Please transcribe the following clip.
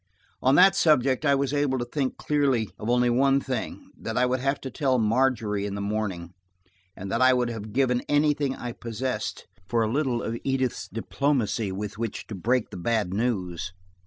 On that subject I was able to think clearly of only one thing: that I would have to tell Margery in the morning, and that I would have given anything I possessed for a little of Edith's diplomacy with which to break the bad news.